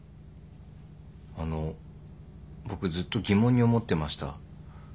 あの僕ずっと疑問に思ってました。